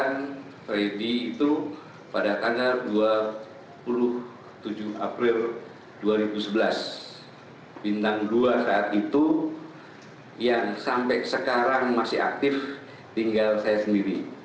yang freddy itu pada tanggal dua puluh tujuh april dua ribu sebelas bintang dua saat itu yang sampai sekarang masih aktif tinggal saya sendiri